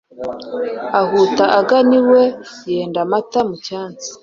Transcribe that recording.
ahuta agana iwe, yenda amata mu cyansi